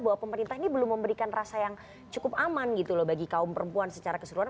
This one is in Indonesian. bahwa pemerintah ini belum memberikan rasa yang cukup aman gitu loh bagi kaum perempuan secara keseluruhan